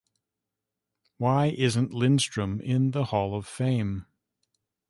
And why isn't Lindstrom in the Hall of Fame?